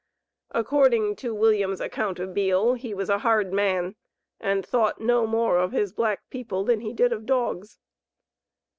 According to William's account of Beale, he was a "hard man and thought no more of his black people than he did of dogs."